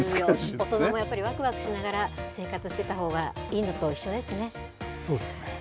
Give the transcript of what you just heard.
大人もやっぱりわくわくしながら生活してたほうがいいのと一緒ですね。